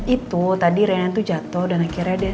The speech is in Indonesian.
itu tadi renan itu jatuh dan akhirnya dia